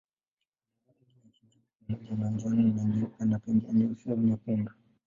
Wana rangi ya kijivu pamoja na njano na nyeupe na pengine nyeusi au nyekundu.